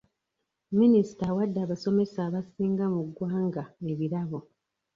Minisita awadde abasomesa abasinga mu ggwanga ebirabo.